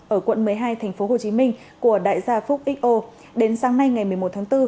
ở quận một mươi hai tp hcm của đại gia phúc xo đến sáng nay ngày một mươi một tháng bốn